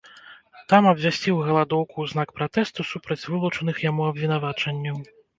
Там абвясціў галадоўку ў знак пратэсту супраць вылучаных яму абвінавачванняў.